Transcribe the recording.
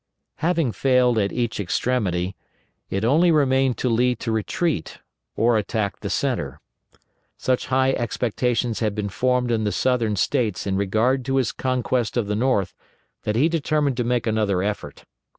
'" Having failed at each extremity, it only remained to Lee to retreat, or attack the centre. Such high expectations had been formed in the Southern States in regard to his conquest of the North that he determined to make another effort.